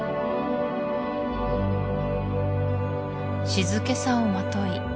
静けさをまとい